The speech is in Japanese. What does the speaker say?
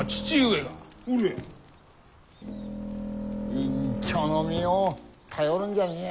隠居の身を頼るんじゃねえや。